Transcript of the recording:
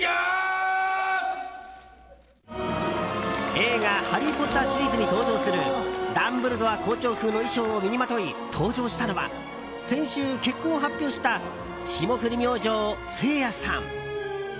映画「ハリー・ポッター」シリーズに登場するダンブルドア校長風の衣装を身にまとい、登場したのは先週、結婚を発表した霜降り明星、せいやさん。